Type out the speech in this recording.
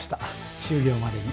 終業までに。